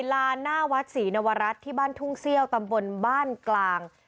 ลานหน้าวัดศรีนวรัฐที่บ้านทุ่งเซี่ยวตำบลบ้านกลาง